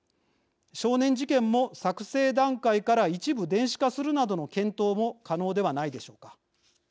少年事件も、作成段階から一部、電子化するなどの検討も可能ではないでしょうか。